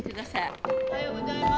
おはようございます。